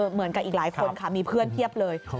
เหมือนกับอีกหลายคนค่ะมีเพื่อนเพียบเลย